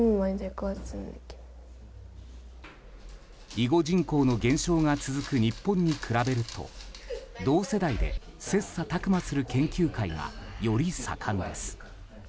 囲碁人口の減少が続く日本に比べると同世代で切磋琢磨する研究会がより盛んです。